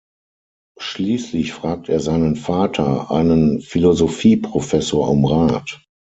Schließlich fragt er seinen Vater, einen Philosophieprofessor, um Rat.